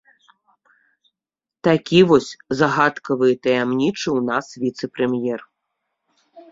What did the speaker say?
Такі вось загадкавы і таямнічы ў нас віцэ-прэм'ер.